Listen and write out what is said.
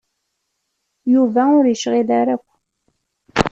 Yuba ur yecɣil ara akk.